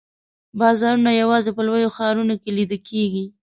بازارونه یوازي په لویو ښارونو کې لیده کیږي.